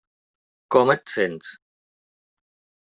Com et sents?